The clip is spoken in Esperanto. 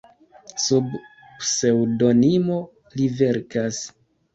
Sub pseŭdonimo li verkas.